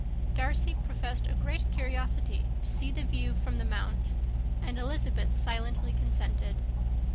Darcy professed a great curiosity to see the view from the Mount, and Elizabeth silently consented.